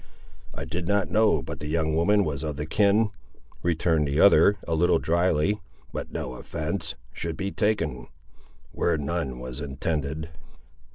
"I did not know but the young woman was of the kin," returned the other, a little drily—"but no offence should be taken, where none was intended."